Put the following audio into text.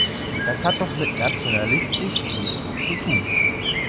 Das hat doch mit nationalistisch nichts zu tun!